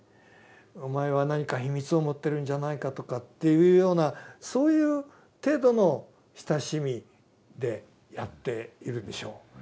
お前は何か秘密を持ってるんじゃないかとかっていうようなそういう程度の親しみでやっているでしょう。